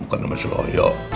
bukan sama seloyok